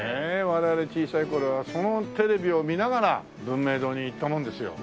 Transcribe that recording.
我々小さい頃はそのテレビを見ながら文明堂に行ったもんですよ。